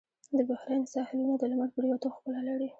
د بحرین ساحلونه د لمر پرېوتو ښکلا لري.